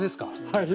はい。